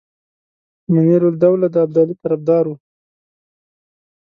منیرالدوله د ابدالي طرفدار وو.